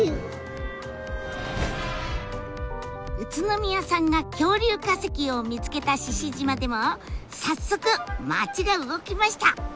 宇都宮さんが恐竜化石を見つけた獅子島でも早速町が動きました！